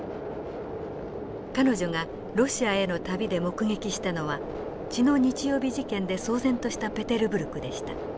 彼女がロシアへの旅で目撃したのは血の日曜日事件で騒然としたペテルブルクでした。